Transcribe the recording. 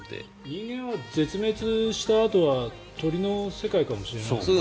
人間が絶滅したあとは鳥の世界かもしれないですね。